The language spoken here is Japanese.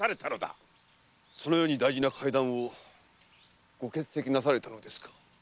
そのように大事な会談をご欠席なされたのですか。